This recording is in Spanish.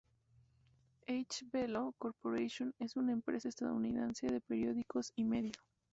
H. Belo Corporation es una empresa estadounidense de periódicos y medio.